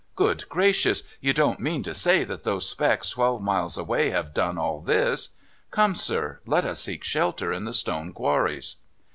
"Good gracious! you don't mean to say that those specks twelve miles away have done all this! Come, sir, let us seek shelter in the stone quarries."